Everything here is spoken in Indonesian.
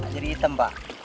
jadi hitam pak